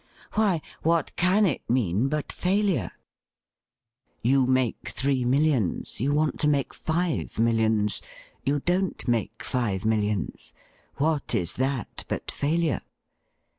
Why, what can it mean but failure ? You make three millions — you want to make five millions ; you don't make five millions. What is that but failure